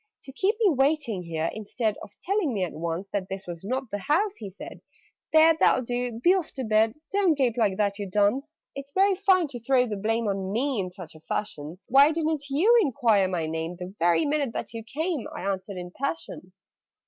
"To keep me waiting here, instead Of telling me at once That this was not the house!" he said. "There, that'll do be off to bed! Don't gape like that, you dunce!" "It's very fine to throw the blame On me in such a fashion! Why didn't you enquire my name The very minute that you came?" I answered in a passion.